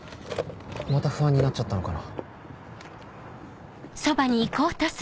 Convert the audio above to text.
また不安になっちゃったのかな。